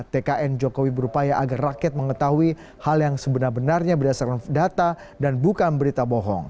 tkn jokowi berupaya agar rakyat mengetahui hal yang sebenar benarnya berdasarkan data dan bukan berita bohong